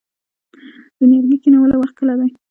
د نیالګي کینولو وخت کله دی؟